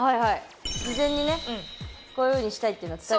事前にねこういうふうにしたいっていうのは伝えてますからね。